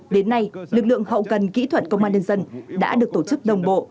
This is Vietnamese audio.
đến nay lực lượng hậu cần kỹ thuật công an nhân dân đã được tổ chức đồng bộ